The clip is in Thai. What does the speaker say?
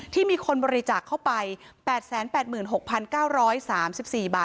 ตำรวจบอกว่าภายในสัปดาห์เนี้ยจะรู้ผลของเครื่องจับเท็จนะคะ